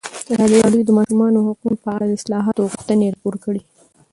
ازادي راډیو د د ماشومانو حقونه په اړه د اصلاحاتو غوښتنې راپور کړې.